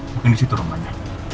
mungkin disitu rumahnya